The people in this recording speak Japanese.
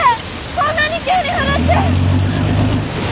こんなに急に降るって。